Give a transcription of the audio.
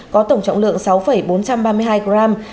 có tổng trọng lượng sáu bốn trăm ba mươi hai gram